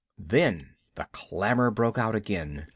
Then the clamor broke out again.